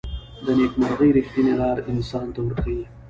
د نیکمرغۍ ریښتینې لاره انسان ته ورښيي.